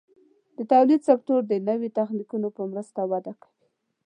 د تولید سکتور د نوي تخنیکونو په مرسته وده کوي.